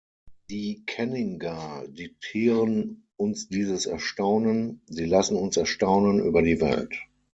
Die Kenningar diktieren uns dieses Erstaunen; sie lassen uns erstaunen über die Welt.